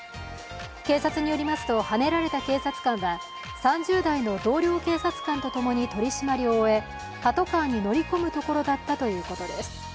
警察によりますとはねられた警察官は３０代の同僚警察官とともに取り締まりを終え、パトカーに乗り込むところだったということです。